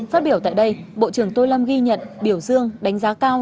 phát biểu tại đây bộ trưởng tô lâm ghi nhận biểu dương đánh giá cao